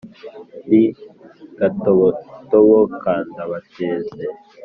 ndi gatobotobo ka ndabateze,